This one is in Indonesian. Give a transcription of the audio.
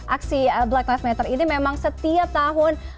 aksi black live matter ini memang setiap tahun